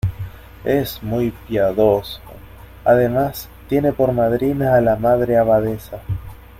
es muy piadoso... además tiene por madrina a la Madre Abadesa .